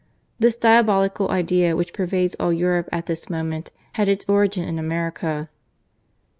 This diabolical idea, which pervades all Europe at this moment, had its origin in America.